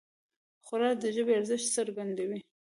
خوړل د ژبې ارزښت څرګندوي